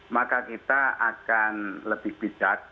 maka kita akan lebih bijak